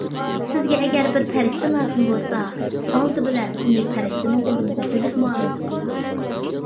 سىزگە ئەگەر بىر پەرىشتە لازىم بولسا، ئالدى بىلەن ئۇنى پەرىشتىنىڭ ئورنىغا قويۇپ مۇئامىلە قىلىڭ.